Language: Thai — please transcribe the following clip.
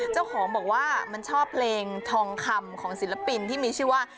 เจ้าของบอกว่ามันชอบเพลงทองคำของศิลปินที่มีชื่อว่า